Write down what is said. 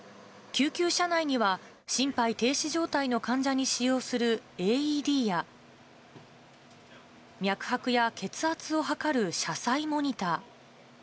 救急車内には、心肺停止状態の患者に使用するＡＥＤや、脈拍や血圧を測る車載モニター。